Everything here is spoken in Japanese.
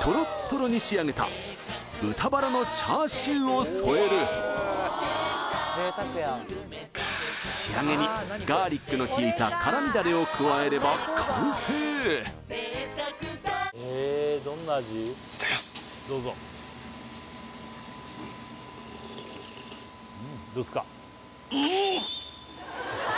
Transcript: トロットロに仕上げた豚バラのチャーシューを添える仕上げにガーリックのきいた辛味ダレを加えれば完成いただきますっうん！